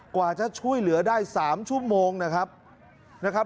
กว่าจะช่วยเหลือได้๓ชั่วโมงนะครับนะครับ